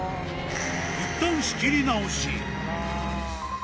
いったん仕切り直し。